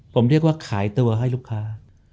ผมเรียกว่าขายตัวให้ลูกค้า